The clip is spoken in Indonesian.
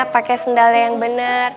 pakai sendalnya yang benar